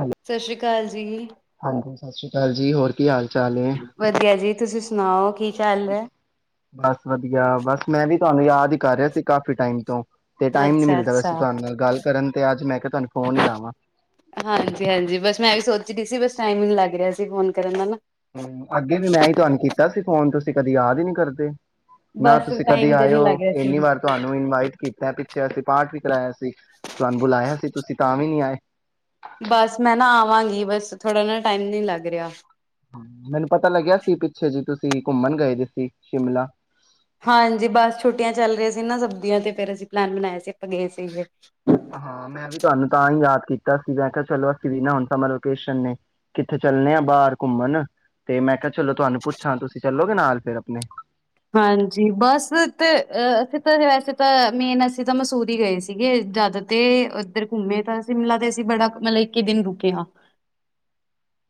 Hello ਸਤਿ ਸ੍ਰੀ ਅਕਾਲ ਜੀ, ਹਾਂਜੀ ਸਤਿ ਸ਼੍ਰੀ ਅਕਾਲ ਜੀ, ਹੋਰ ਕੀ ਹਾਲ? ਚਾਲ ਹੈ ਵਧੀਆ ਜੀ, ਤੁਸੀਂ ਸੁਣਾਓ? ਸੁਣਾਓ ਕਿ ਬਸ ਵਧੀਆ ਬਸ ਮੈਂ ਵੀ। ਤੁਹਾਨੂੰ ਯਾਦ ਹੀ ਕਰ ਰਿਹਾ ਸੀ ਕਾਫੀ ਟਾਈਮ ਤੋਂ। ਤੇ ਟਾਈਮ ਨੀ ਮਿਲਦਾ ਅੱਛਾ-ਅੱਛਾ। ਵੈਸੇ ਤੁਹਾਡੇ ਨਾਲ ਗੱਲ ਕਰਨ ਤੇ ਅੱਜ ਮੈਂ ਕਿਹਾ ਤੁਹਾਨੂੰ ਫੋਨ ਹੀ ਲਾਵਾਂ। ਰਹੀ ਸੀ, ਬਸ ਟਾਈਮ ਹੀ ਲੱਗ ਰਿਹਾ ਸੀ ਫੋਨ ਕਰਨ ਦਾ ਨਾ। ਹੂੰ, ਅੱਗੇ ਵੀ ਮੈਂ ਹੀ ਤੁਹਾਨੂੰ ਕੀਤਾ ਸੀ ਫੋਨ ਤੁਸੀਂ ਕਦੇ ਯਾਦ ਹੀ ਨੀ ਕਰਦੇ। ਨਾ ਬਸ ਤੁਸੀਂ ਕਦੇ ਟਾਈਮ ਤੇ ਨੀ ਆਇਓ ਲੱਗ ਰਿਹਾ ਇੰਨੀ ਸੀ। ਵਾਰ ਤੁਹਾਨੂੰ ਇਨਵਾਈਟ ਕੀਤਾ। ਪੀਛੇ ਅਸੀਂ ਪਾਠ ਵੀ ਕਰਾਇਆ ਸੀ, ਤੁਹਾਨੂੰ ਬੁਲਾਇਆ ਸੀ ਤੁਸੀਂ ਤਾਂ ਵੀ ਨੀ ਆਏ। ਬਸ ਮੈਂ ਨਾ ਆਵਾਂਗੀ ਬਸ ਥੋੜਾ ਨਾ ਟਾਈਮ ਨੀ ਲੱਗ ਰਿਹਾ। ਮੈਨੂੰ ਪਤਾ ਲੱਗਿਆ ਸੀ ਪਿੱਛੇ ਜੀ ਤੁਸੀਂ ਘੁੰਮਣ ਗਏ ਸੀ ਸ਼ਿਮਲਾ। ਹਾਂਜੀ ਬਸ ਛੁੱਟੀਆਂ ਚੱਲ ਰਹੀਆਂ ਸੀ ਨਾ ਸਭ ਤੇ ਫੇਰ ਅਸੀਂ ਪਲੈਨ ਬਣਾਇਆ ਸੀ ਆਪਾਂ ਗਏ ਸੀਗੇ। ਹਾਂ ਮੈਂ ਵੀ ਤੁਹਾਨੂੰ ਤਾਂ ਹੀ ਯਾਦ ਕੀਤਾ ਸੀ ਮੈਂ ਕਿਹਾ ਚਲੋ ਅਸੀਂ ਵੀ ਨਾ ਹੁਣ ਸਮਰ ਵੋਕੈਸਨ ਨੇ ਕਿੱਥੇ ਚੱਲੇ ਆ ਬਾਹਰ ਘੁੰਮਣ ਤੇ ਮੈਂ ਕਿਹਾ ਚਲੋ ਤੁਹਾਨੂੰ ਪੁੱਛਾਂ ਤੁਸੀਂ ਚੱਲੋਗੇ ਨਾਲ ਫਿਰ ਆਪਣੇ। ਹਾਂਜੀ ਬਸ ਤੇ ਅ ਅਸੀਂ ਤਾਂ ਵੈਸੇ ਤਾਂ ਮੇਨ ਅਸੀਂ ਤਾਂ ਮਸੂਰੀ ਗਏ ਸੀਗੇ ਜਾਂਦਾ ਤੇ ਓਧਰ ਘੁੰਮੇ ਤਾਂ ਸ਼ਿਮਲਾ ਤੇ ਅਸੀਂ ਬੜਾ ਮਤਲਬ ਇੱਕ ਦਿਨ ਰੁਕੇ ਆ।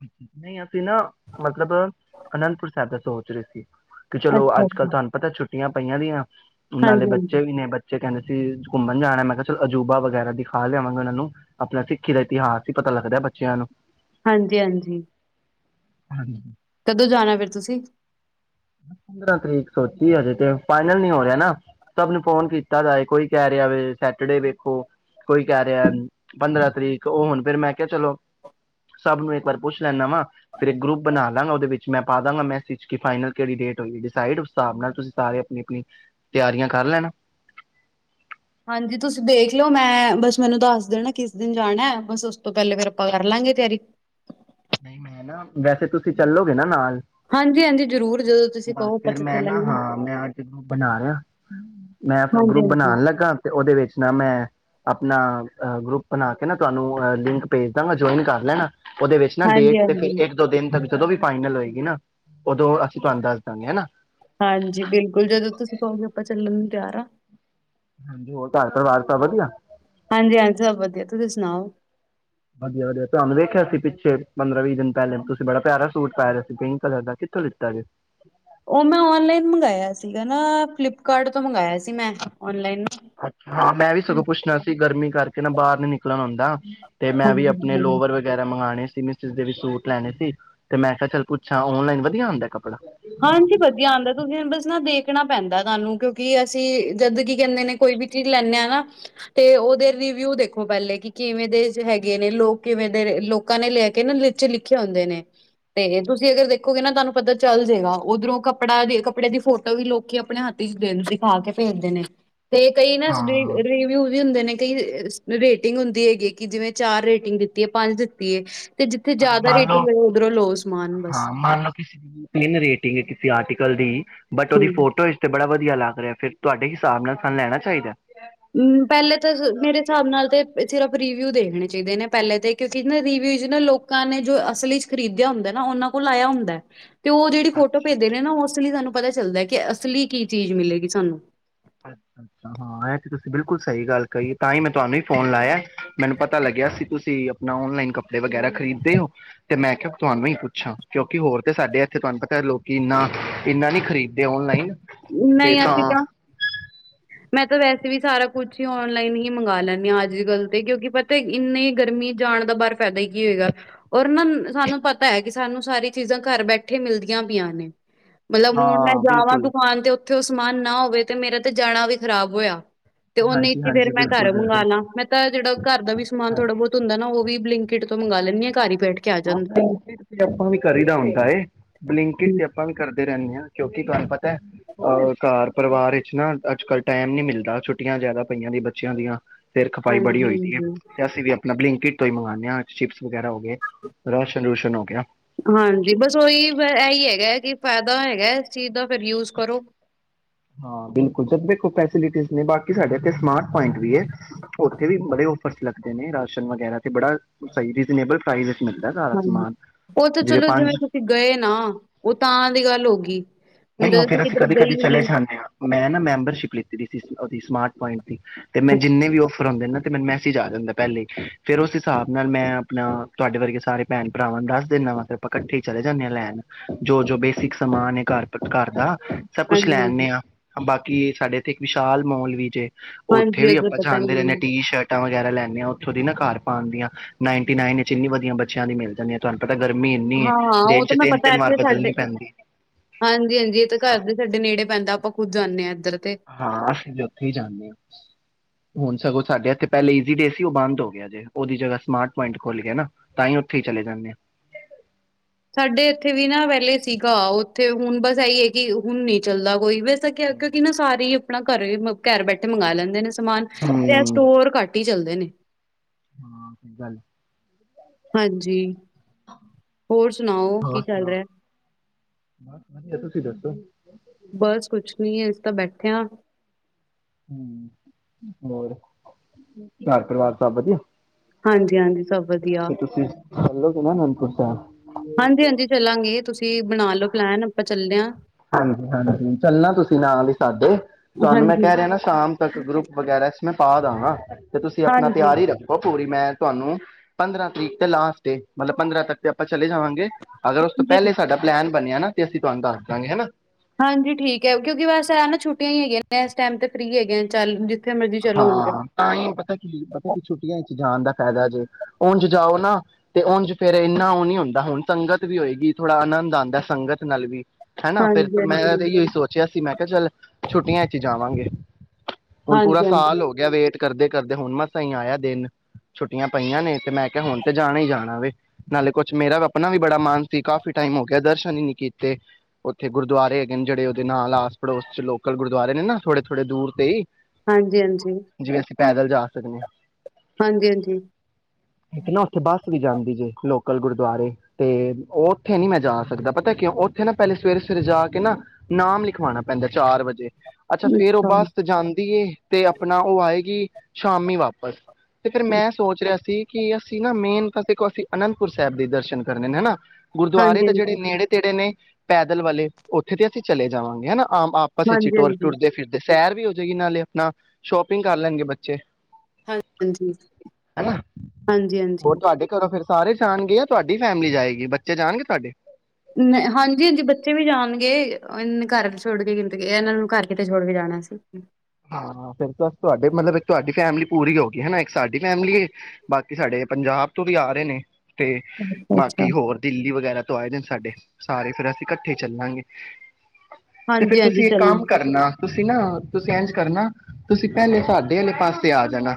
ਘੁੰਮੇ ਆ, ਅਸੀ ਨਾ ਮਤਲਬ ਅਨੰਦਪੁਰ ਸਾਹਿਬ। ਸੋਚ ਰਹੇ ਸੀ। ਕਿ ਚਲੋ ਅੱਜ ਕੱਲ੍ਹ ਅੱਛਾ-ਅੱਛਾ। ਤੁਹਾਨੂੰ ਪਤਾ ਛੁੱਟੀਆਂ ਪਈਆਂ ਦੀਆਂ। ਨਾਲੇ ਹਾਂਜੀ-ਹਾਂਜੀ, ਬੱਚੇ ਵੀ ਨੇ ਬੱਚੇ ਕਹਿੰਦੇ ਅਸੀ ਘੁੰਮਣ ਜਾਣਾ ਮੈਂ ਕਿਹਾ ਚਲ ਅਜੂਬਾ ਵਗੈਰਾ ਦਿਖਾ ਲਿਆਵਾਂਗਾ, ਉਹਨਾਂ ਨੂੰ ਆਪਣਾ ਸਿੱਖੀ ਦਾ ਇਤਿਹਾਸ ਹੀ ਪਤਾ ਲੱਗਦਾ ਬੱਚਿਆਂ ਨੂੰ। ਹਾਂਜੀ-ਹਾਂਜੀ। ਹਾਂਜੀ, ਕਦੋਂ ਜਾਣਾ ਫਿਰ ਤੁਸੀਂ? ਪੰਦਰਾਂ ਤਰੀਕ ਸੋਚੀ ਹਜੇ ਤੇ ਫਾਈਨਲ ਨੀ ਹੋ ਰਿਹਾ, ਨਾ ਸਭ ਨੂੰ ਫੋਨ ਕੀਤਾ ਜਾਏ ਕੋਈ ਕਹਿ ਰਿਹਾ ਸੈਟਰਡੇ ਵੇਖੋ, ਕੋਈ ਕਹਿ ਰਿਹਾ ਪੰਦਰਾਂ ਤਰੀਕ, ਉਹ ਹੁਣ ਫਿਰ ਮੈਂ ਕਿਹਾ ਚਲੋ ਸਭ ਨੂੰ ਇੱਕ ਵਾਰ ਪੁੱਛ ਲੈਦਾ ਵਾ ਫਿਰ ਇੱਕ ਗਰੁੱਪ ਬਣਾ ਲਾਂਗਾ ਉਹਦੇ ਵਿੱਚ ਮੈਂ ਪਾ ਦਾਂਗਾ ਮੈਂਸਿਜ ਕੀ ਫਾਈਨਲ ਕਿਹੜੀ ਡੇਟ ਹੋਈ ਡਿਸਾਈਡ ਉਸ ਹਿਸਾਬ ਨਾਲ ਤੁਸੀਂ ਸਾਰੇ ਆਪਣੀ ਆਪਣੀ ਤਿਆਰੀਆਂ ਕਰ ਲੈਣ ਹਾਂਜੀ ਤੁਸੀਂ ਦੇਖ ਲਓ ਮੈਂ ਬਸ ਮੈਨੂੰ ਦੱਸ ਦੇਣਾ ਕਿਸ ਦਿਨ ਜਾਣਾ ਐ। ਬਸ ਉਸ ਤੋਂ ਪਹਿਲੇ ਫੇਰ ਆਪਾਂ ਕਰ ਲਾਂਗੇ ਤਿਆਰੀ। ਨਹੀਂ ਮੈਂ ਨਾ ਵੈਸੇ ਤੁਸੀਂ ਚੱਲੋਗੇ ਨਾ ਨਾਲ। ਹਾਂਜੀ-ਹਾਂਜੀ ਜ਼ਰੂਰ ਜਦੋਂ ਤੁਸੀਂ ਬਸ ਕਹੋ ਫਿਰ ਪਤਾ ਮੈਂ ਨਾ ਚੱਲਾਂਗੇ ਹਾਂ ਮੈਂ ਅੱਜ ਗਰੁੱਪ ਬਣਾ ਰਿਹਾ। ਮੈਂ ਫਿਰ ਗਰੁੱਪ ਹਾਂਜੀ-ਹਾਂਜੀ, ਹਾਂਜੀ-ਹਾਂਜੀ। ਬਣਾਉਣ ਲੱਗਾ ਤੇ ਉਹਦੇ ਵਿੱਚ ਨਾ ਮੈਂ ਆਪਣਾ ਅ ਗਰੁੱਪ ਬਣਾ ਕੇ ਨਾ ਤੁਹਾਨੂੰ ਅ ਲਿੰਕ ਭੇਜ ਦਾਂਗਾ ਜੁਆਇਨ ਕਰ ਲੈਣਾ। ਓਹਦੇ ਨਾ ਡੇਟ ਹਾਂਜੀ ਤੇ ਫਿਰ ਹਾਂਜੀ ਇੱਕ ਦੋ ਦਿਨ ਤੱਕ ਜਦੋਂ ਵੀ ਫਾਈਨਲ ਹੋਏਗੀ ਨਾ ਉਦੋਂ ਅਸੀਂ ਤੁਹਾਨੂੰ ਦੱਸ ਦਾਂਗੇ ਹਨਾ। ਹਾਂਜੀ ਬਿਲਕੁਲ [unintelligible] ਆਪਾਂ ਚੱਲਣ ਨੂੰ ਤਿਆਰ ਆ। ਹਾਂਜੀ ਹੋਰ ਘਰ ਪਰਿਵਾਰ ਸਭ ਵਧੀਆ? ਹਾਂਜੀ-ਹਾਂਜੀ ਸਭ ਵਧੀਆ ਤੁਸੀਂ ਸੁਣਾਓ? ਵਧੀਆ-ਵਧੀਆ ਤੁਹਾਨੂੰ ਦੇੇਖਿਆ ਸੀ। ਪਿੱਛੇ ਪੰਦਰਾਂ ਵੀਹ ਦਿਨ ਪਹਿਲੇ ਤੁਸੀਂ ਬੜਾ ਪਿਆਰਾ ਸੂਟ ਪਾਇਆ ਵਾ ਸੀ ਪਿੰਕ ਕਲਰ ਦਾ ਕਿੱਥੋਂ ਲਿੱਤਾ ਜੇ? ਉਹ ਮੈਂ ਔਨਲਾਈਨ ਮੰਗਾਇਆ ਸੀਗਾ ਨਾ ਫਲਿੱਪਕਾਰਟ ਤੋਂ ਮੰਗਾਇਆ ਸੀ ਮੈਂ ਆਨਲਾਈਨ ਅੱਛਾ ਮੈਂ ਵੀ ਸਗੋਂ ਪੁੱਛਣਾ ਸੀ ਗਰਮੀ ਕਰਕੇ ਨਾ ਬਾਹਰ ਨੀ ਨਿਕਲਣ ਹੁੰਦਾ। ਤੇ ਮੈਂ ਵੀ ਆਪਣੇ ਹਾਂਜੀ-ਹਾਂਜੀ। ਲੋਵਰ ਵਗੈਰਾ ਮੰਗਵਾਉਣੇ। ਮਿਸ ਇਜ ਦੇ ਵੀ ਸੂਟ ਲੈਣੇ ਸੀ ਤੇ ਮੈਂ ਕਿਹਾ ਚੱਲ ਪੁੱਛਾਂ ਔਨਲਾਈਨ ਵਧੀਆ ਆਂਦਾ ਐ ਕੱ ਹਾਂਜੀ ਵਧੀਆ ਆਉਂਦਾ ਤੁਸੀਂ ਬਸ ਨਾ ਦੇਖ ਣਾ ਪੈਂਦਾ ਤੁਹਾਨੂੰ ਕਿਉਂਕਿ ਅਸੀਂ ਜਦ ਕੀ ਕਹਿੰਦੇ ਨੇ ਕੋਈ ਵੀ ਚੀਜ਼ ਲੈਂਨੇ ਆ ਨਾ ਤੇ ਉਹਦੇ ਰਿਵਿਊ ਦੇਖੋ ਪਹਿਲੇ ਕਿ ਕਿਵੇਂ ਦੇ ਹੈਗੇ ਨੇ। ਲੋਕ ਕਿਵੇਂ ਦੇ ਲੋਕਾਂ ਨੇ ਲੈ ਕੇ ਨਾ ਨੀਚੇ ਲਿਖੇ ਹੁੰਦੇ ਨੇ ਤੇ ਤੁਸੀਂ ਅਗਰ ਦੇਖੋਗੇ ਨਾ ਤੁਹਾਨੂੰ ਪਤਾ ਚੱਲ ਜੇਗਾ ਉੱਧਰੋਂ ਕੱਪੜਾ ਦੀ ਕੱਪੜੇ ਦੀ ਫੋਟੋ ਵੀ ਲੋਕੀ ਆਪਣੇ ਹਾਥੀ ਚ ਦਿਖਾ ਕੇ ਭੇਜਦੇ ਨੇ। ਤੇ ਕਈ ਨਾ ਰੀ ਹਾਂ ਰੀਵੀਊਜ ਵੀ ਹੁੰਦੇ ਨੇ ਕਈ ਰੇਟਿੰਗ ਹੁੰਦੀ ਹੈਗੀ ਕਿ ਜਿਵੇਂ ਚਾਰ ਰੇਟਿੰਗ ਦਿੱਤੀ ਏ ਪੰਜ ਦਿੱਤੀ ਏ। ਤੇ ਜਿੱਥੇ ਜ਼ਿਆਦਾ ਰੇਟਿੰਗ [unintelligible] ਓਧਰੋਂ ਲਉ ਸਮਾਨ ਬਸ। ਹਾਂ ਮੰਨ ਲਓ ਕਿਸੇ ਦੀ ਤਿੰਨ ਰੇਟਿੰਗ ਏ ਕਿਸੇ ਆਰਟੀਕਲ ਦੀ ਬਟ ਉਹਦੀ ਹੂੰ ਫੋਟੋ ਇਸ ਤੇ ਬੜਾ ਵ ਧੀਆ ਲੱਗ ਰਿਹਾ ਫਿਰ ਤੁਹਾਡੇ ਹਿਸਾਬ ਨਾਲ ਸਾਨੂੰ ਲੈਣਾ ਚਾਹੀਦਾ? ਹੂੰ ਪਹਿਲੇ ਤਾਂ ਮੇਰੇ ਹਿਸਾਬ ਨਾਲ ਤੇ ਸਿਰਫ ਰੀ ਵਿਊ ਦੇਖਣੇ ਚਾਹੀਦੇ ਨੇ। ਪਹਿਲੇ ਤੇ ਕਿਉਂਕਿ ਰਿਵਿਊ ਚ ਲੋਕਾਂ ਨੇ ਜੋ ਅਸਲ ਵਿਚ ਖਰੀਦਿਆ ਹੁੰਦਾ ਨਾ ਉਹਨਾਂ ਕੋਲ ਆਇਆ ਹੁੰਦਾ ਐ। ਤੇ ਉਹ ਜਿਹੜੀ ਫੋਟੋ ਅੱਛਾ ਭੇਜਦੇ ਨੇ ਨਾ ਅੱਛਾ ਉਸ ਲਈ ਸਾਨੂੰ ਪਤਾ ਚੱਲਦਾ ਕਿ ਅਸਲੀ ਕੀ ਚੀਜ਼ ਮਿਲੇਗੀ ਸਾਨੂੰ। ਅੱ ਅੱਛਾ ਹਾਂ ਇਹ ਤੇ ਤੁਸੀਂ ਬਿਲਕੁਲ ਸਹੀ ਗੱਲ ਕਹੀ ਤਾਂ ਹੀ ਮੈਂ ਤੁਹਾਨੂੰ ਹੀ ਫੋਨ ਲਾਇਆ ਐ। ਮੈਨੂੰ ਪਤਾ ਲੱਗਿਆ ਸੀ ਤੁਸੀਂ ਆਪਣਾ ਓਨਲਾਈਨ ਕੱਪੜੇ ਵਗੈਰਾ ਖਰੀਦਦੇ ਹੋ ਤੇ ਮੈਂ ਕਿਹਾ ਤੁਹਾਨੂੰ ਹੀ ਪੁੱਛਾਂ। ਕਿਉਂਕਿ ਹੋਰ ਤੇ ਸਾਡੇ ਇੱਥੇ ਤੁਹਾਨੂੰ ਪਤਾ ਲੋਕੀ ਇੰਨਾ-ਇੰਨਾ ਨਹੀਂ ਖਰੀਦਦੇ ਓਨਲਾਈਨ। ਨਹੀਂ ਅਸੀਂ ਤਾਂ ਮੈਂ ਤਾਂ ਵੈਸੇ ਵੀ ਸਾਰਾ ਕੁਛ ਹੀ ਔਨਲਾਈਨ ਹੀ ਮੰਗਵਾ ਲੈਂਨੀ ਆ ਅੱਜ ਕੱਲ ਤੇ ਕਿਉਂਕਿ ਪਤਾ ਇੰਨੀ ਗਰਮੀ ਜਾਣ ਦਾ ਬਾਹਰ ਫਾਇਦਾ ਹੀ ਕੀ ਹੋਏਗਾ ਔਰ ਨਾ ਸਾਨੂੰ ਪਤਾ ਐ ਕਿ ਸਾਨੂੰ ਸਾਰੀ ਚੀਜ਼ਾਂ ਘਰ ਬੈਠੇ ਮਿਲਦੀਆਂ ਪਈਆਂ ਨੇ। ਮਤਲਬ ਹੁਣ ਮੈਂ ਹਾਂ ਜਾਵਾਂ ਬਿਲਕੁਲ [unintelligible] ਤੇ ਉੱਥੇ ਉਹ ਸਮਾਨ ਨਾ ਹੋਵੇ ਤੇ ਮੇਰਾ ਤੇ ਜਾਣਾ ਵੀ ਖ਼ਰਾਬ ਹੋਇਆ। ਤੇ ਉਹਨੇ ਹਾਂਜੀ ਤੇ ਫੇਰ ਹਾਂਜੀ ਮੈਂ ਬਿਲਕੁਲ ਘਰ ਬਿਲਕੁਲ ਮੰਗਾਲਾਂ ਮੈਂ ਤਾਂ ਜਿਹੜਾ ਘਰ ਦਾ ਵੀ ਸਮਾਨ ਹਾਂਜੀ ਥੋੜਾ ਬਹੁਤ ਹੁੰਦਾ ਨਾ ਉਹ ਵੀ ਬਲਿੰਕ ਕਿਟ ਤੋਂ ਮੰਗਾ ਲੈਂਦੀ ਆ ਘਰ ਈ। ਹਾਂ ਬਲਿੰਕਟ ਤੇ ਆਪਾਂ ਵੀ ਕਰੀ ਦਾ ਹੁੰਦਾ ਏ। ਬਲਿੰਕਟ ਹੂੰ, ਤੇ ਆਪਾਂ ਵੀ ਕਰਦੇ ਰਹਿੰਦੇ ਹਾਂ। ਕਿਉਂਕਿ ਤੁਹਾਨੂੰ ਪਤਾ ਹੈ ਆ। ਘਰ ਪਰਿਵਾਰ ਵਿੱਚ ਨਾ ਅੱਜ ਕੱਲ ਟਾਈਮ ਨੀ ਮਿਲਦਾ। ਛੁੱਟੀਆਂ ਜ਼ਿਆਦਾ ਪਈਆਂ ਦੀ ਬੱਚਿਆਂ ਦੀਆਂ। ਸਿਰ ਖਪਾਈ ਬੜੀ ਹਾਂਜੀ, ਹੋਈ ਦੀ ਹੈ, ਹਾਂਜੀ, ਤੇ ਅਸੀਂ ਵੀ ਆਪਣਾ ਬਲਿੰਕਕਿਟ ਤੋਂ ਹੀ ਮੰਗਉਂਦੇ ਹਾਂ ਚਿਪਸ ਵਗੈਰਾ ਹੋ ਗਏ। ਰਸ ਰੁਸ। ਹੋ ਗਿਆ ਹਾਂਜੀ। ਬਸ ਉਹੀ ਇਹੀ ਹੈਗਾ ਕਿ ਫਾਇਦਾ। ਹੈਗਾ ਇਸ ਚੀਜ਼ ਦਾ। ਫਿਰ ਯੂਜ ਕਰੋ। ਹਾਂ। ਬਿਲਕੁਲ ਜਦ ਦੇਖੋ ਪੈਸੇ ਬਾਕੀ ਸਾਡੇ ਇਥੇ ਸਮਾਰਟ ਪੁਆਇੰਟ ਵੀ ਹੈ। ਉੱਥੇ ਵੀ ਬੜੇ ਔਫਰਸ ਲੱਗਦੇ ਨੇ ਰਾਸ਼ਨ ਵਗੈਰਾ। ਬੜਾ ਸਹੀ ਰੀਜ਼ਨੇਬਲ। ਫਾਇਦੇ। ਹਾਂ ਉਹ ਤਾਂ ਚਲੋ ਜਿਵੇਂ ਪੰਜ ਤੁਸੀਂ ਗਏ ਨਾ ਉਹ ਤਾਂ ਦੀ ਗੱਲ ਹੋ ਗਈ। ਹੁਣ ਨਹੀਂ ਉਹ ਜਦੋਂ ਫੇਰ ਤੁਸੀਂ ਅਸੀਂ ਕਿਧਰ ਕਦੇ ਕਦੇ ਗਈ ਚਲੇ ਨੀ ਜਾਂਦੇ ਹਾਂ। ਮੈਂ ਨਾ ਮੈਂਬਰਸ਼ਿਪ ਲਿੱਤੀ ਸੀ। ਸਮਾਰਟ ਪੁਆਇੰਟ ਦੀ ਤੇ ਮੈਂ ਜਿੰਨੇ ਵੀ ਔਫਰ ਆਉਂਦੇ ਨਾ। ਤੇ ਮੈਨੂੰ ਮੈਸੇਜ ਆ ਜਾਂਦਾ ਪਹਿਲੇ ਹੀ। ਫੇਰ ਉਸ ਹਿਸਾਬ ਨਾਲ ਮੈਂ ਆਪਣਾ ਤੁਹਾਡੇ ਵਰਗੇ ਸਾਰੇ ਭੈਣ ਭਰਾਵਾਂ ਨੂੰ ਦੱਸ ਦਿੰਦਾ ਵਾ ਫਿਰ ਆਪਾਂ ਇਕੱਠੇ ਚਲੇ ਜਾਂਦੇ ਹਾਂ ਲੈਣ ਜੋ ਬੇਸਿਕ ਸਮਾਨਏ ਘਰ ਦਾ। ਘਰ ਦਾ ਸਭ ਕੁੱਛ ਹਾਂਜੀ, ਲੈਦੇ ਆ ਹਾਂਜੀ, ਨੇ ਆ, ਬਾਕੀ ਸਾਡੇੇ ਇੱਕ ਵਿਸ਼ਾਲ ਮੋਲ ਵੀ ਜੇ। ਉੱਥੇ ਹਾਂਜੀ ਵੀ ਉਦੋਂ ਆਪਾਂ ਪਤਾ ਜਾਂਦੇ ਰਹਿੰਦੇ ਹਾਂ। ਮੈਨੂੰ ਟੀ ਸ਼ਰਟਾਂ ਵਗੈਰਾ ਲੈਂਨੇ ਹਾਂ ਉਥੇ। ਨਾ ਘਰ ਪਾਉਣ ਦੀਆਂ ਨਾਈਨਟੀ ਨਾਈਨ ਚ ਇੰਨੀ ਵਧੀਆ ਬੱਚਿਆਂ ਦੀ ਮਿਲ ਜਾਂਦੀਆਂ ਤੁਹਾਨੂੰ ਪਤਾ ਗਰਮੀ ਇੰਨੀ ਹੈ ਹਾਂ, ਹਾਂ। ਉਹ ਦਿਨ 'ਚ ਤਾਂ ਮੈਂ ਤਿੰਨ ਪਤਾ ਤਿੰਨ ਵਾਰ ਇੱਥੇ ਸਾਡੇ, ਬਦਲਣੀ ਪੈਂਦੀ ਹੈ ਹਾਂਜੀ, ਹਾਂਜੀ। ਤੇ ਘਰ ਵੀ ਨੇੜੇ ਪੈਂਦਾ ਆਪਾਂ ਖ਼ੁਦ ਜਾਂਨੇ ਹਾਂ। ਇੱਧਰ ਤੇ ਹਾਂ। ਅਸੀਂ ਵੀ ਉੱਥੇ ਹੀ ਜਾਂਦੇ ਹਾਂ। ਹੁਣ ਸਗੋਂ ਸਾਡੇ ਇੱਥੇ ਪਹਿਲਾਂ ਈਜੀ-ਡੇ ਸੀ। ਉਹ ਬੰਦ ਹੋ ਗਿਆ ਜੇ ਉਹਦੀ ਜਗ੍ਹਾ ਸਮਾਰਟ ਪੁਆਇੰਟ ਖੁੱਲ ਗਿਆ ਨਾ ਤਾਂ ਹੀ ਉੱਥੇ ਹੀ ਚਲੇ ਜਾਂਦੇ ਆ। ਸਾਡੇ ਇੱਥੇ ਵੀ ਨਾ ਪਹਿਲੇ ਸੀਗਾ। ਉੱਥੇ ਹੁਣ ਬਸ ਈ ਹੈ ਕਿ ਹੁਣ ਨੀ ਚੱਲਦਾ ਕੋਈ। ਵੈਸੇ ਸਕਿਆ ਹਮ ਕਿਉਂਕਿ ਨਾ ਸਾਰੀ। ਆਪਾ ਵੀ ਘਰ ਬੈਠੇ ਮੰਗਵਾ ਲੈਂਦੇ ਆ। ਸਮਾਨ ਤੇ ਹਮ ਸਟੋਰ ਘੱਟ ਹੀ ਘੱਟ ਹੀ ਚੱਲਦੇ ਨੇ। ਹਾਂ ਸਹੀ ਗੱਲ। ਹਾਂਜੀ। ਹੋਰ ਸੁਣਾਓ ਹੋਰ ਕੀ ਚੱਲ ਸੁਣਾਓ? ਰਿਹਾ। ਬਸ ਵਧੀਆ [unintelligible] ਬਸ ਕੁਛ ਨ ਹੈ ਇਸ ਤ ਬੈਠਿਆ ਹਮ ਹੋਰ ਘਰ ਪਰਿਵਾਰ ਸਭ ਵਧੀਆ? ਹਾਂਜੀ ਹਾਂਜੀ ਸਭ ਵਧੀਆ, ਫਿਰ ਤੁਸੀਂ ਚੱਲੋਗੇ ਨਾ ਅਨੰਦਪੁਰ ਸਾਹਿਬ? ਹਾਂਜੀ ਹਾਂਜੀ ਚੱਲਾਂਗੇ ਤੁਸੀਂ ਬਣਾ ਲੋਓ। ਪਲੈਨ ਆਪਾਂ ਚਲਨੇ ਆ। ਹਾਂਜੀ ਹਾਂਜੀ ਚੱਲਣਾ ਤੁਸੀਂ ਨਾਲ ਹੀ ਸਾਡੇ ਤੁਹਾਨੂੰ ਮੈਂ ਹਾਂਜੀ ਕਹਿ ਰਿਹਾ ਨਾ ਸ਼ਾਮ ਤੱਕ ਗਰੁੱਪ ਵਗੈਰਾ ਮੈਂ ਪਾ ਦਾਾਂ ਗ। ਤੇ ਤੁਸੀਂ ਆਪਣਾ ਹਾਂਜੀ ਤਿਆਰ ਹੀ ਰੱਖੋ ਪੂਰੀ ਮੈਂ ਤੁਹਾਨੂੰ ਪੰਦਰਾਂ ਤਰੀਕ ਤੇ ਲਾਸ ਡੇ ਮਤਲਬ ਪੰਦਰਾਂ ਤੱਕ ਅਪਾ ਚਲੇ ਜਾਵਾਂਗੇ ਅਗਰ ਉਸ ਤੋਂ ਜੀ ਪਹਿਲੇ ਸਾਡਾ ਪਲੈਨ ਬਣਿਆ ਨਾ ਤੇ ਅਸੀਂ ਦੱਸਦਾ ਹੈ ਨਾ ਹਾਂਜੀ ਠੀਕ ਹੈ ਕਿਉਂਕਿ ਬਸ ਇਹ ਹੈ ਨਾ ਛੁਟੀਆਂ ਹੀ ਹੈਗੀਆਂ ਨੇ ਇਸ ਟਾਈਮ ਤੇ ਫਰੀ ਹੈਗੀਆਂ ਚੱਲ ਜ ਹਾਂ ਤਾਂ ਹੀ ਪਤਾ ਕੀ ਪਤਾ ਕੀ ਛੁੱਟੀਆਂ ਚ ਜਾਣ ਦਾ ਫਾਇਦਾ ਜੇ ਉਂਝ ਜਾਓ ਨਾ ਤੇ ਉਝ ਫੇਿਰ ਇੰਨਾ ਉਹ ਨੀ ਹੁੰਦਾ ਹੁਣ ਸੰਗਤ ਵੀ ਹੋਏਗੀ ਥੋੜ੍ਹਾ ਆਨੰਦ ਆਉਂਦਾ ਸੰਗਤ ਨਾਲ ਵੀ ਹਨਾ ਫੇਿਰ ਹਾਂਜੀ ਮੈਂ ਹਾਂਜੀ ਇੋ ਹੀ ਸੋਚਿਆ ਸੀ ਮੈਂ ਕਿਹਾ ਚੱਲ ਛੁੱਟੀਆਂ ਚ ਹੀ ਜਾਵਾਂਗੇ ਪੂਰਾ ਹਾਂਜੀ ਹਾਂਜੀ ਸਾਲ ਹੋ ਗਿਆ ਵੇਟ ਕਰਦੇ ਕਰਦੇ ਹੁਣ ਮਸਹੀ ਆਇਆ ਦਿਨ ਛੁੱਟੀਆਂ ਪਈਆਂ ਨੇ ਤੇ ਮੈਂ ਕਿਹਾ ਹੁਣ ਤੇ ਜਾਣਾ ਹੀ ਜਾਣਾ ਵ ਨਾਲੇ ਕੁਛ ਮੇਰਾ ਵੀ ਆਪਣਾ ਵੀ ਬੜਾ ਮਨ ਸੀ ਕਾਫ਼ੀ ਟਾਈਮ ਹੋ ਗਿਆ ਦਰਸ਼ਨ ਹੀ ਨੀ ਕੀਤੇ ਉੱਥੇ ਗੁਰਦੁਆਰੇ ਹੈਗੇ ਨੇ ਜਿਹੜੇ ਉਹਦੇ ਨਾਲ ਆਸ ਪੜੋਸ ਚ ਲੋਕਲ ਗੁਰਦੁਆਰੇ ਨੇ ਨਾ ਥੋੜੇ ਥੋੜੇ ਦੂਰ ਤੇ ਹਾਂਜੀ ਹਾਂਜੀ ਜਿਵੇਂ ਅਸੀਂ ਪੈਦਲ ਜਾ ਸਕਦੇ ਹਾਂ ਹਾਂਜੀ ਹਾਂਜੀ ਇੱਕ ਨਾ ਉੱਥੇ ਬੱਸ ਵੀ ਜਾਂਦੀ ਜੇ ਲੋਕਲ ਗੁਰਦੁਆਰੇ ਤੇ ਉੱਥੇ ਨੀ ਮੈਂ ਜਾ ਸਕਦਾ ਪਤਾ ਕਿਉਂ ਉੱਥੇ ਨਾ ਪਹਿਲੇ ਸਵੇਰੇ ਸਵੇਰੇ ਜਾ ਕੇ ਨਾ ਨਾਮ ਲਿਖਵਾਉਣਾ ਪੈਂਦਾ ਚਾਰ ਵਜੇ ਅੱਛਾ ਫੇਰ ਉਹ ਬਸ ਜਾਂਦੀ ਏ ਤੇ ਆਪਣਾ ਉਹ ਆਏਗੀ ਸ਼ਾਮੀ ਵਾਪਿਸ ਤੇ ਫਿਰ ਮੈਂ ਸੋਚ ਰਿਹਾ ਸੀ ਕਿ ਅਸੀਂ ਨਾ ਮੇਨ ਤਾਂ ਦੇਖੋ ਅਸੀਂ ਅਨੰਦਪੁਰ ਸਾਹਿਬ ਦੇ ਦਰਸ਼ਨ ਕਰਨੇ ਨੇ ਹਨਾ ਗੁਰਦੁਆਰੇ ਤੇ ਹਾਂਜੀ, ਜਿਹੜੇ ਨੇੜੇ ਤੇੜੇ ਨੇ ਪੈਦਲ ਵਾਲੇ ਉੱਥੇ ਤੇ ਅਸੀਂ ਚਲੇ ਜਾਵਾਂਗੇ ਹਨਾ ਹਮ ਆਪਸ ਵਿੱਚ ਹੀ ਹਾਂਜੀ, ਹਾਂਜੀ, ਟੁਰਦੇ ਫਿਰਦੇ ਸੈਰ ਵੀ ਹੋ ਜਾਏਗੀ ਨਾਲੇ ਨਾ ਸ਼ੋਪਿੰਗ ਕਰ ਲੈਣਗੇ ਬੱਚੇ ਹਾਂ ਹਾਂਜੀ ਹਨਾ ਹਾਂਜੀ ਹੋਰ ਹਾਂਜੀ ਤੁਹਾਡੇ ਘਰੋਂ ਫਿਰ ਸਾਰੇ ਜਾਣਗੇ ਆ ਤੁਹਾਡੀ ਫੈਮਿਲੀ ਜਾਏਗੀ ਬੱਚੇ ਜਾਣਗੇ ਤੁਹਾਡੇ ਹਾਂਜੀ ਹਾਂਜੀ ਬੱਚੇ ਵੀ ਜਾਣਗੇ ਇਹ ਘਰ ਛੋੜ ਕੇ ਕਿ ਇਹਨਾਂ ਨੂੰ ਘਰ ਕਿਤੇ ਛੋੜ ਕੇ ਜਾਣਾ ਅਸੀਂ ਹਾਂ ਫਿਰ ਤਾਂ ਤੁਹਾਡੇ ਮਤਲਬ ਤੁਹਾਡੀ ਫੈਮਿਲੀ ਪੂਰੀ ਹੋ ਗਈ ਹੈਾ ਇੱਕ ਸਾਡੀ ਫੈਮਿਲੀ ਬਾਕੀ ਸਾਡੇ ਪੰਜਾਬ ਤੋਂ ਵੀ ਆ ਰਹੇ ਨੇ ਤੇ ਅੱਛਾ, ਅੱਛਾ। ਬਾਕੀ ਹੋਰ ਦਿੱਲੀ ਵਗੈਰਾ ਤੋਂ ਆਏ ਦਿਨ ਸਾਡੇ ਸਾਰੇ ਫੇਰ ਅਸੀਂ ਇਕੱਠੇ ਚੱਲਾਂਗੇ। ਤੇ ਫੇਰ ਹਾਂਜੀ, ਹਾਂਜੀ ਤੁਸੀਂ ਇੱਕ ਕੰਮ ਚੱਲੂਗੀ। ਕਰਨਾ। ਤੁਸੀਂ ਨਾ ਤੁਸੀਂ ਇੰਝ ਕਰਨਾ ਤੁਸੀਂ ਪਹਿਲੇ ਸਾਡੇ ਵਾਲੇ ਪਾਸੇ ਆ ਜਾਣਾ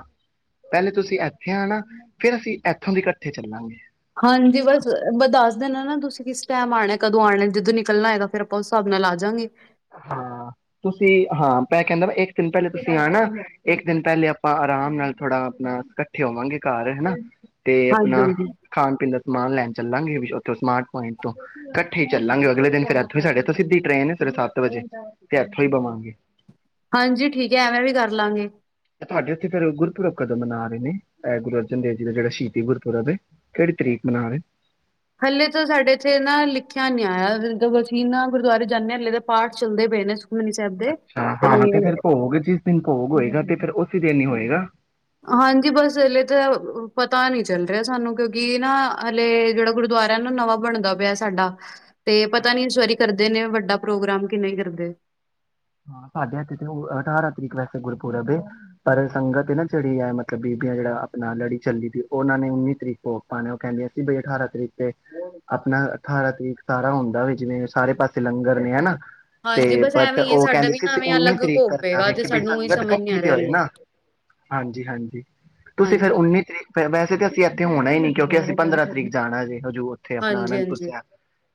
ਪਹਿਲੇ ਤੁਸੀਂ ਇੱਥੇ ਆਣਾ ਫੇਰ ਅਸੀਂ ਇੱਥੋਂ ਦੀ ਇਕੱਠੇ ਚੱਲਾਂਗੇ। ਹਾਂਜੀ ਬਸ ਬ ਦੱਸ ਦੇਣਾ ਨਾ ਤੁਸੀਂ ਕਿਸ ਕਿਹੜੇ ਟਾਈਮ ਆਣਾ ਕਦੋਂ ਆਣਾ ਜਦੋਂ ਨਿਕਲਣਾ ਹੈਗਾ, ਫਿਰ ਆਪਾਂ ਉਸ ਹਿਸਾਬ ਨਾਲ ਆਜਾਗੇ। ਹਾਂ, ਤੁਸੀਂ ਹਾਂ ਮੈਂ ਕਹਿੰਦਾ ਵ ਇੱਕ ਦਿਨ ਪਹਿਲੇ ਤੁਸੀਂ ਆਣਾ ਇੱਕ ਦਿਨ ਪਹਿਲੇ ਆਪਾਂ ਆਰਾਮ ਨਾਲ ਥੋੜ੍ਹਾ ਆਪਣਾ ਇਕੱਠੇ ਹੋਵਾਂਗੇ ਘਰ ਹਨਾ ਤੇ ਹਾਂਜੀ, ਆਪਣਾ ਹਾਂਜੀ, ਖਾਣ ਪੀਣ ਦਾ, ਸਮਾਨ ਲੈਣ ਚੱਲਾਂਗੇ, ਵੀ ਉਥੋਂ ਸਮਾਰ ਪੁਆਇੰਟ ਤੋਂ ਇਕੱਠੇ ਹੀ ਚੱਲਾਂਗੇ ਅਗਲੇ ਦਿਨ ਫੇਰ ਇੱਥੋਂ ਤਾਂ ਸਾਡੇ ਸਿੱਧੀ ਟਰੇਨ ਸਵੇਰੇ ਸੱਤ, ਸੱਤ ਵਜੇ, ਇੱਥੋਂ ਹੀ ਬਵਾਂਗੇ ਹਾਂਜੀ ਠੀਕ ਹੈ ਐਵੇਂ ਵੀ ਕਰਲਾਂਗੇ। ਤੁਹਾਡੇ ਉੱਥੇ ਫੇਰ ਗੁਰਪੁਰਬ ਕਦੋਂ ਮਨਾ ਰਹੇ ਨੇ ਗੁਰੂ ਅਰਜਨ ਦੇਵ ਜੀ ਦਾ ਜਿਹੜਾ ਸ਼ਹੀਦੀ ਗੁਰਪੁਰਬ ਹੈ, ਕਿਹੜੀ ਤਰੀਕ ਮਨਾ ਰਹੇ ਨੇ। ਹਲੇ ਤਾਂ ਸਾਡੇ ਇੱਥੇ ਨਾ ਲਿਖਿਆ ਨੀ ਆਇਆ ਜਦੋਂ ਅਸੀਂ ਨਾ ਗੁਰਦੁਆਰੇ ਜਾਂਦੇ ਹਾਂ ਹਲੇੇ ਤਾਂ ਪਾਠ ਚੱਲਦੇ ਪਏ ਨੇ, ਸੁਖਮਨੀ ਸਾਹਿਬ ਦੇ ਅੱਛਾ, ਹਾਂ ਤੇ ਫਿਰ ਭੋਗ ਜਿਸ ਦਿਨ ਭੋਗ ਹੋਏਗਾ ਤੇ ਫੇਰ ਉਸੇ ਦਿਨ ਹੀ ਹੋਏਗਾ। ਗਾ, ਹਾਂਜੀ, ਬਸ ਹਲੇ ਤਾਂ ਪਤਾ ਨਹੀਂ ਚੱਲ ਰਿਹਾ ਸਾਨੂੰ ਕਿਉਂਕਿ ਨਾ ਹਲੇ ਜਿਹੜਾ ਗੁਰਦੁਆਰਾ ਨਵਾਂ ਬਣਦਾ ਪਿਆ ਸਾਡਾ, ਤੇ ਪਤਾ ਨੀ ਸਵਾਰੀ ਕਰਦੇ ਨੇ ਵੱਡੇ ਦਾ ਪ੍ਰੋਗਰਾਮ ਕਿੰਨਾ ਹੀ ਕਰਦੇ, ਹਾਂ, ਸਾਡੇ ਹੱਥੇ ਤੇ ਅਠਾਰਾਂ ਤਰੀਕ ਵੈਸੇ ਗੁਰਪੁਰਬ ਹੈ, ਪਰ ਸੰਗਤ ਨਾ ਜਿਹੜੀ ਐ ਮਤਲਬ ਕੀ ਬੀਬੀਆਂ ਜਿਹੜਾ ਆਪਣਾ ਲੜੀ ਚੱਲੀ ਦੀ ਐ ਉਹਨਾਂ ਨੇ ਉੱਨੀ ਤਰੀਕ ਭੋਗ ਪਾਣਾ ਉਹ ਕਹਿੰਦੇ ਸੀ ਬਈ ਅਠਾਰਾਂ ਤਰੀਕ ਤੇ ਆਪਣਾ ਅਠਾਰਾਂ ਤਰੀਕ ਸਾਰਾ ਹੁੰਦਾ ਵਾ ਜਿਵੇਂ ਸਾਰੇ ਪਾਸੇ ਲੰਗਰ ਨੇ ਹਨਾ। ਹਾਂਜੀ, ਬਸ ਐਵੇਂ ਬਟ ਤੇ ਹੀ ਹੈ ਉਹ ਸਾਡਾ ਕਹਿੰਦੇ ਵੀ ਸੀ, ਨਾ ਅਸੀਂ ਐਵੇਂ ਉੱਨੀ ਅਲੱਗ ਤਰੀਕ ਭੋਗ ਕਰਨਾ ਪਏਗਾ ਵਾ ਤੇ ਕਿ ਬਈ ਸਾਨੂੰ ਉਹੀ ਸੰਗਤ ਸਮਝ ਨੀ ਇਕੱਠੀ ਆ ਤੇ ਰਿਹਾ ਹੋਏ ਹਲੇ ਨਾ ਹਾਂਜੀ-ਹਾਂਜੀ ਤੁਸੀਂ ਹਾਂਜੀ ਫੇਰ ਉੱਨੀ ਤਰੀਕ ਵੈਸੇ ਤਾਂ। ਅਸੀਂ ਇੱਥੇ ਹੋਣਾ ਹੀ ਨੀ, ਕਿਉਂਕਿ ਅਸੀਂ ਪੰਦਰਾਂ ਤਰੀਕ ਜਾਣਾ ਜੇ। ਹਜੁ ਉੱਥੇ ਆਪਣਾ ਹਾਂਜੀ ਆਨੰਦਪੁਰ ਹਾਂਜੀ ਸਾਹਿਬ।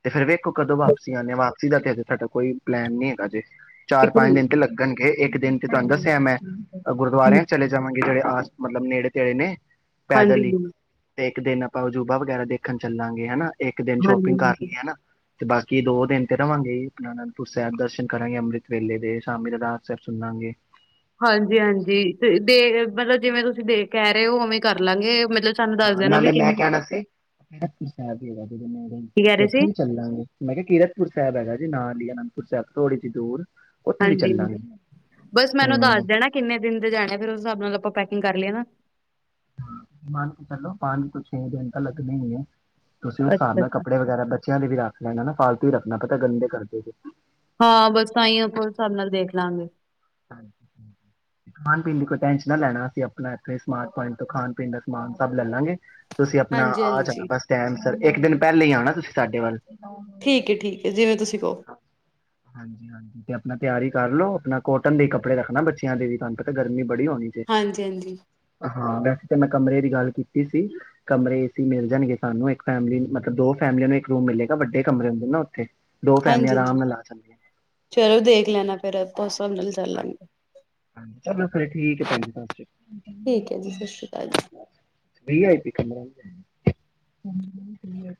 ਤੇ ਫਿਰ ਵੇਖ, ਤੂੰ ਕਦੋਂ ਵਾਪਸੀ ਆਣਾ ਵਾ ਸਿੱਧਾ ਕਿਹਦੇ ਸਾਡਾ ਕੋਈ ਪਲੈਨ ਨਹੀਂ ਹੈਗਾ ਅਜੇ ਚਾਰ ਪੰਜ ਦਿਨ ਤੇ ਲੱਗਣਗੇ ਇੱਕ ਦਿਨ ਦਿਨ ਤੇ ਤੁਹਾਡਾ ਦੱਸਿਆ ਮੈ, ਆਪਾ ਗੁਰਦੁਆਰਿਆਂ ਚਲੇ ਜਾਵਾਂਗੇ, ਜਿਹੜੇ ਆ ਮਤਲਬ ਨੇੜੇ-ਤੇੜੇ ਨੇ, ਹਾਂਜੀ ਪੈਦਲ ਹੀ ਹੂੰ, ਤੇ ਇੱਕ ਦਿਨ ਆਪਾਂ ਅਜੂਬਾ ਵਗੈਰਾ ਦੇਖਣ ਚੱਲਾਂਗੇ ਹਨਾ। ਇੱਕ ਦਿਨ ਸ਼ੋਪਿੰਗ ਹਾਂਜੀ ਕਰ ਲਈ ਹੈ ਨਾ। ਤੇ ਬਾਕੀ ਦੋ ਦਿਨ ਤੇ ਰਵਾਗੇ ਆਨੰਦਪੁਰ ਸਾਹਿਬ ਦਰਸ਼ਨ ਕਰਾਂਗੇ ਅੰਮ੍ਰਿਤ ਵੇਲੇ ਦੇ ਸ਼ਾਮੀ ਦਾਸ ਸਾਹਿਬ ਸੁਣਾਂਗੇ। ਹਾਂਜੀ ਹਾਂਜੀ ਤੇ ਦੇ ਮਤਲਬ ਜਿਵੇਂ, ਤੁਸੀਂ ਦੇਖ ਕੇ ਕਹਿ ਰਹੇ ਹੋ, ਉਵੇਂ ਕਰ ਲਾਂਗੇ। ਮਤਲਬ ਸਾਨੂੰ ਦੱਸ ਹਾਂ, ਦੇਣਾ ਵੀ ਨਾਲੇ ਮੈਂ, ਕਿੰਨੇ ਕੀ ਕਹਿਣਾ ਸੀ ਰਪ ਸਾਹਿਬ ਕਹਿ ਰਹੇ ਸੀ ਉੱਥੇ ਵੀ ਚੱਲਾਂਗੇ, ਮੈਂ ਕਿਹਾ, ਕੀਰਤਪੁਰ ਸਾਹਿਬ ਹੈਗਾ ਜੀ ਨਾਲ ਹੀ ਆ, ਇਹਨਾ ਨੂੰ ਪੁਛਿਆ, ਥੋੜੀ ਜੀ, ਦੂਰ ਉੱਥੇ ਵੀ ਹਾਂਜੀ। ਚੱਲਾਂਗੇ ਬਸ, ਮੈਨੂੰ ਹਮ ਦੱਸ ਦੇਣਾ ਕਿੰਨੇ ਦਿਨ ਦੇ ਜਾਣੇ ਫਿਰ ਉਸ ਹਿਸਾਬ ਨਾਲ ਆਪਾਂ ਪੈਕ ਕਿੰਗ ਕਰ ਲਿਆ ਨਾ ਹ ਮੰਨ ਕੇ ਚਲੋ, ਪੰਜ ਤੋਂ, ਛੇ ਦਿਨ ਤਾਂ ਲੱਗਣੇ ਹੀ ਹੈ। ਤੁਸੀਂ ਉਸ ਹਿਸਾਬ ਅੱਛਾ ਨਾਲ ਕੱਪੜੇ ਅੱਛਾ ਵਗੈਰਾ ਬੱਚਿਆਂ ਦੇ, ਵੀ, ਰੱਖ ਮੈ, ਨਾ, ਨ ਫਾਲਤੂ ਹੀ ਰੱਖਣਾ ਪਤਾ ਗੰਦੇ ਕਰਦੇ ਸੀ। ਹਾਂ, ਬਸ ਤਾਂ, ਹੀ ਆਪਾਂ ੳਸ ਹਿਸਾਬ ਨਾਲ ਦੇਖ ਲਾਂਗੇ। ਖਾਣ- ਪੀਣ ਦੀ ਕੋਈ ਟੈਂਸ਼ਨ ਨਾ ਲੈਣਾ, ਅਸੀਂ ਆਪਣਾ ਇਥੇ ਸਮਾਰਟ ਪੁਆਇੰਟ ਤੋਂ, ਖਾਣ ਪੀਣ ਦਾ ਸਮਾਨ ਸਭ ਲੈ ਲਾਂਗੇ। ਤੁਸੀਂ ਆਪਣਾ ਹਾਂਜੀ ਆ ਜਾਣਾ, ਹਾਂਜੀ ਬਸ ਟੈਮ ਕੱਢ ਕੇ, ਪਹਿਲੇ ਹੀ, ਆਉਣਾ ਤੁਸੀਂ ਸਾਡੇ ਵੱਲ ਠੀਕ ਹੈ। ਠੀਕ ਹੈ। ਜਿਵੇਂ ਤੁਸੀਂ ਕਹੋ। ਮੈਂ, ਤਿਆਰੀ ਕਰ ਲਓ ਆਪਣਾ ਕੋਟਨ ਦੇ ਕੱਪੜੇ ਰੱਖਣਾ ਬੱਚਿਆਂ ਦੇ ਵੀ, ਤੁਹਾਨੂੰ ਤਾ ਗਰਮੀ ਬੜੀ ਹੋਣੀ ਜੇ ਹਾਂਜੀ, ਹਾਂਜੀ। ਹਾਂ, ਵੈਸੇ ਤਾਂ, ਮੈਂ ਕਮਰੇ ਦੀ ਗੱਲ ਕੀਤੀ ਸੀ ਕਮਰੇ ਏ ਸੀ ਮਿਲ ਜਾਣਗੇ, ਸਾਨੂੰ ਇੱਕ ਫੈਮਲੀ ਮਤਲਬ ਦੋ ਫੈਮਲੀਆਂ ਨੂੰ ਇੱਕ ਰੂਮ ਮਿਲੇਗਾ, ਵੱਡੇ ਕਮਰੇ ਹੁੰਦੇ ਨਾ ਉੱਥੇ ਦੋ ਫੈਮਲੀਆਂ ਹਾਂਜੀ, ਆਰਾਮ ਹਾਂਜੀ। ਨਾਲ ਆ ਜਾਂਦੀਆਂ ਚਲੋ, ਦੇਖ ਲੈਣਾ ਫੇਰ, ਉਸ ਹਸਾਬ ਨਾਲ ਹ ਚੱਲਾਂਗੇ ਚਲੋ, ਫਿਰ ਠੀਕ ਹੈ, ਸ਼। ਠੀਕ ਆ ਆ ਕਮ